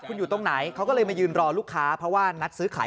คุณอยู่ตรงไหนเขาก็เลยมายืนรอลูกค้าเพราะว่านัดซื้อขาย